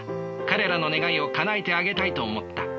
彼らの願いをかなえてあげたいと思った。